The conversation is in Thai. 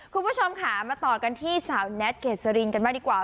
คุณผู้ชมค่ะมาต่อกันที่สาวแน็ตเกษรินกันมากดีกว่า